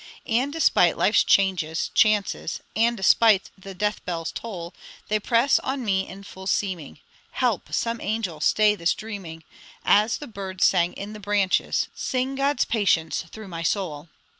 'And despite life's changes chances, And despite the deathbell's toll, They press on me in full seeming! Help, some angel! stay this dreaming! As the birds sang in the branches, Sing God's patience through my soul!